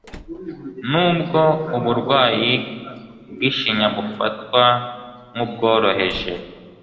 nubwo uburwayi bw'ishinya bufatwa nk'ubworoheje